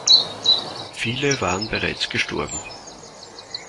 Viele waren bereits gestorben.